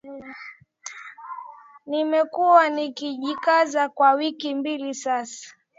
Nimekuwa nikijikaza kwa wiki mbili sasa